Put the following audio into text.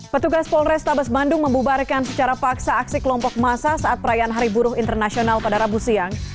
petugas polrestabes bandung membubarkan secara paksa aksi kelompok masa saat perayaan hari buruh internasional pada rabu siang